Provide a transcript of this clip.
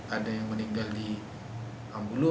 ada yang meninggal di ambulu